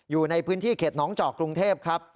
อยู่ในพื้นที่เขตน้องเจาะกรุงเทพครับ